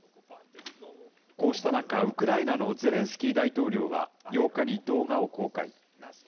こうした中、ウクライナのゼレンスキー大統領は、８日に動画を公開。